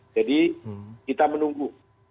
jadi kita menunggu